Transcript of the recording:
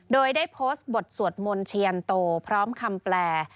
โดยได้โพสต์บทสวดมนต์เชียยันโตพร้อมคำแปล